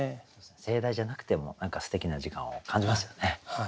盛大じゃなくても何かすてきな時間を感じますよね。